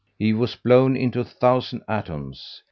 He was blown into a thousand atoms.